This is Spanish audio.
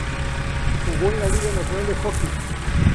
Jugó en la Liga Nacional de Hockey.